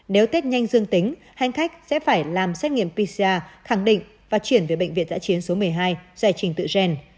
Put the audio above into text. nếu tết nhanh dương tính hành khách sẽ phải làm xét nghiệm pcr khẳng định và chuyển về bệnh viện giã chiến số một mươi hai giải trình tự gen